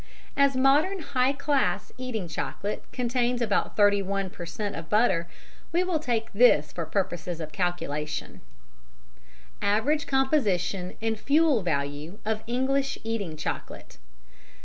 As modern high class eating chocolate contains about 31 per cent. of butter, we will take this for purposes of calculation: AVERAGE COMPOSITION AND FUEL VALUE OF ENGLISH EATING CHOCOLATE.